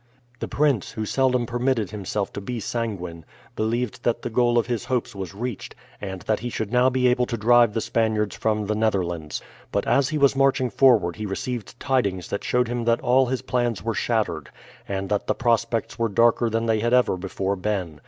The prince, who seldom permitted himself to be sanguine, believed that the goal of his hopes was reached, and that he should now be able to drive the Spaniards from the Netherlands. But as he was marching forward he received tidings that showed him that all his plans were shattered, and that the prospects were darker than they had ever before been.